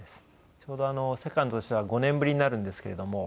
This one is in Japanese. ちょうどＳＥＣＯＮＤとしては５年ぶりになるんですけれども。